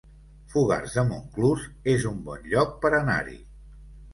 Fogars de Montclús es un bon lloc per anar-hi